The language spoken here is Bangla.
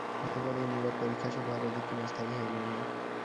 অতঃপর এই নীরব পরীক্ষাসভা আর অধিকক্ষণ স্থায়ী হইল না।